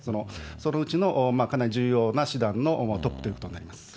そのうちのかなり重要な師団のトップということになります。